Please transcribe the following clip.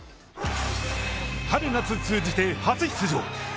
春夏通じて初出場